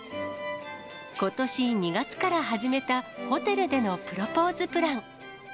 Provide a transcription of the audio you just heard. ことし２月から始めたホテルでのプロポーズプラン。